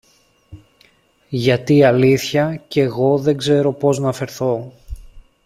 γιατί αλήθεια κι εγώ δεν ξέρω πώς να φερθώ!